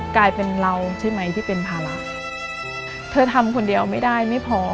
กลายเป็นเราใช่ไหมที่เป็นภาระเธอทำคนเดียวไม่ได้ไม่พอ